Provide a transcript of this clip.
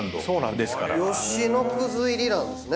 吉野葛入りなんですね。